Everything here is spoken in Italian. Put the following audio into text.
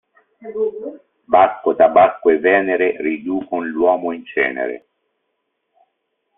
Bacco, Tabacco e Venere, riducon l'uomo in cenere.